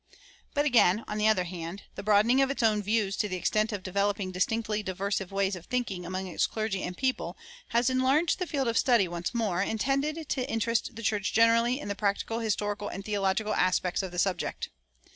But again, on the other hand, the broadening of its own views to the extent of developing distinctly diverse ways of thinking among its clergy and people has enlarged the field of study once more, and tended to interest the church generally in the practical, historical, and theological aspects of the subject.